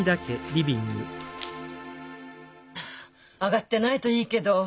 あがってないといいけど。